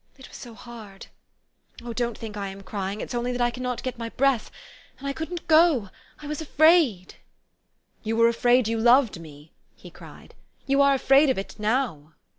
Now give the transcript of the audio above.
It was so hard ! Oh ! don't think I am crying : it's only that I can not get my breath and I couldn't go I was afraid" "You were afraid you loved me !" he cried. "You are afraid of it now."